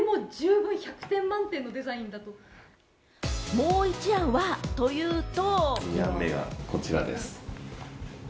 もう１案は、というと。